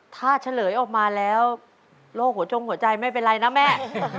ถ้าเฉลยออกมาแล้วโรคหัวจงหัวใจไม่เป็นไรนะแม่